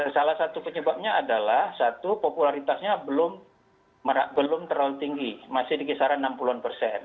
salah satu penyebabnya adalah satu popularitasnya belum terlalu tinggi masih di kisaran enam puluh an persen